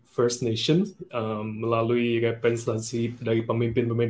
suriat tahu nggak referendum ini akhirnya tanggal berapa pelaksanaannya